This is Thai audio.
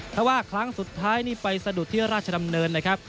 ถ้าว่าครั้งสุดท้ายนี่ไปสะดุดที่ราชดำเนินนะครับ